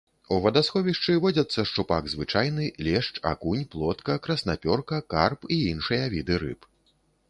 У вадасховішчы водзяцца шчупак звычайны, лешч, акунь, плотка, краснапёрка, карп і іншыя віды рыб.